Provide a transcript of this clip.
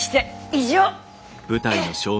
以上。